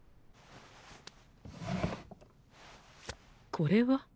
これは？